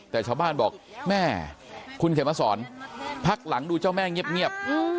แต่ชาวบ้านบอกแม่คุณเขียนมาสอนพักหลังดูเจ้าแม่เงียบ